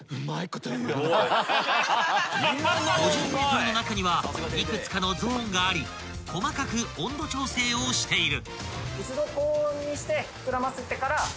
［５０ｍの中には幾つかのゾーンがあり細かく温度調整をしている］